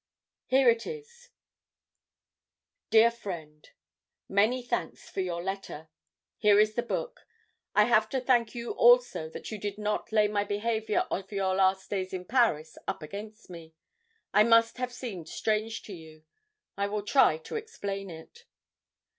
"Here it is: "DEAR FRIEND: "Many thanks for your letter. Here is the book. I have to thank you also that you did not lay my behavior of your last days in Paris up against me. It must have seemed strange to you. I will try to explain it.